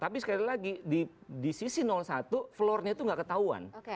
tapi sekali lagi di sisi satu floornya itu nggak ketahuan